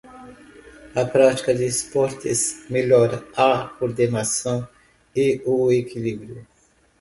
A prática de esportes melhora a coordenação e o equilíbrio.